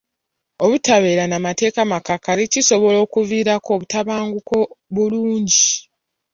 Obutabeera na mateeka makakali kisobola okuviirako obutakola bulungi.